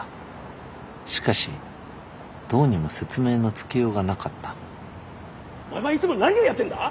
しかしどうにも説明のつけようがなかったお前いつも何をやってんだ！？